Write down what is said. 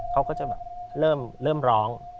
เขาก็จะแบบเริ่มร้อง